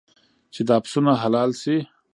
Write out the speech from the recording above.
چې دا پسونه حلال شي.